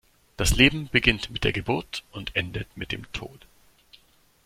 Das Leben beginnt mit der Geburt und endet mit dem Tod.